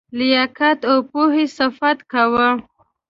لیاقت او پوهي صفت کاوه.